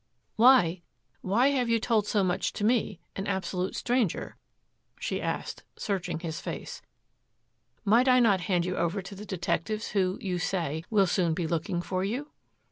"Why why have you told so much to me, an absolute stranger?" she asked, searching his face. "Might I not hand you over to the detectives who, you say, will soon be looking for you?"